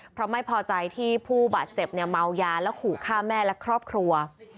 เพราะไม่พอใจที่ผู้บาดเจ็บเนี่ยเมายาและขู่ฆ่าแม่และครอบครัว